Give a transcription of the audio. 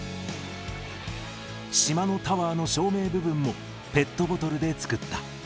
島のタワーの照明部分もペットボトルで作った。